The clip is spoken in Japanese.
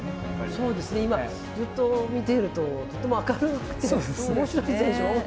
そうですね今ずっと見ているととっても明るくて面白い選手が多いですもんね。